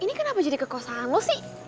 ini kenapa jadi kekosaan lo sih